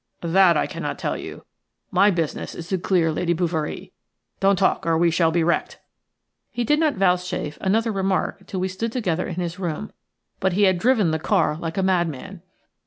"That I cannot tell you; my business is to clear Lady Bouverie. Don't talk, or we shall be wrecked." He did not vouchsafe another remark till we stood together in his room, but he had driven the car like a madman.